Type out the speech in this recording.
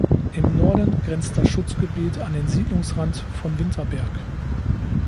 Im Norden grenzt das Schutzgebiet an den Siedlungsrand von Winterberg.